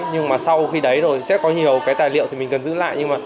nhưng mà sau khi đấy rồi sẽ có nhiều cái tài liệu thì mình cần giữ lại